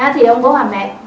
thì ông bố bà mẹ